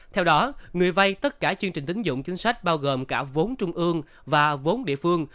theo đó người vay tất cả chương trình tính dụng chính sách bao gồm cả vốn trung ương và vốn địa phương